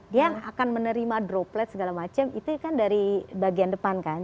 dia akan menerima droplet segala macam itu kan dari bagian depan kan